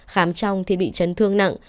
khám trong thì bị chấn thương nặng